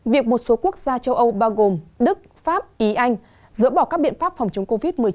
việc một số quốc gia châu âu bao gồm đức pháp ý anh dỡ bỏ các biện pháp phòng chống covid một mươi chín